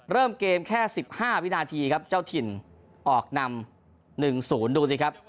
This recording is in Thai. เริ่มเกมแค่๑๕วินาทีครับเจ้าถิ่นออกนำ๑๐ดูสิครับ